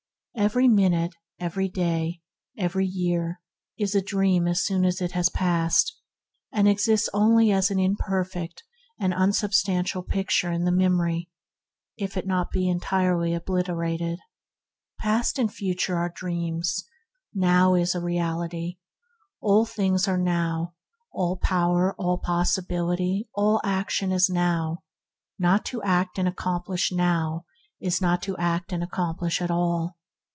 Every minute, every day, every year is a dream as soon as it has passed, to exist only as an imperfect and unsubstantial picture in the memory, or be held in complete abeyance. Past and future are dreams; now is a reality. All things are now; all power, all possibility, all action is now. Not to act and accomplish now is not to act and accomplish at all.